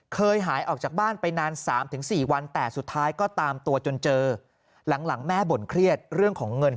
เคยหายออกจากบ้านไปนาน๓๔วันแต่สุดท้ายก็ตามตัวจนเจอ